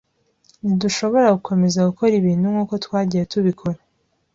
Ntidushobora gukomeza gukora ibintu nkuko twagiye tubikora.